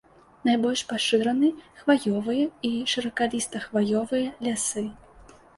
Найбольш пашыраны хваёвыя і шыракаліста-хваёвыя лясы.